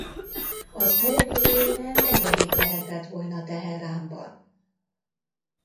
Az eredményével negyedik lehetett volna Teheránban!